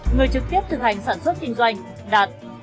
người trực tiếp thực hành sản xuất kinh doanh đạt